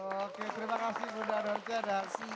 oke terima kasih bunda anwar cedas